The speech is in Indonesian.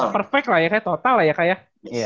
perfect lah ya kayak total lah ya kayak